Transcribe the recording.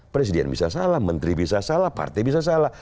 presiden bisa salah menteri bisa salah partai bisa salah